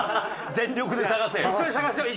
全力で探せよ。